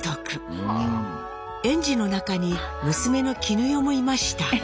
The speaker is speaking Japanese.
園児の中に娘の絹代もいました。